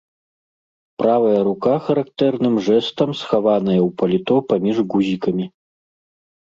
Правая рука характэрным жэстам схаваная ў паліто паміж гузікамі.